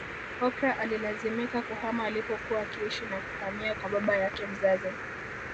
Oprah alilazimika kuhama alipokuwa akiishi na kuhamia kwa baba yake mzazi